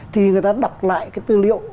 thì người ta đọc lại cái tư liệu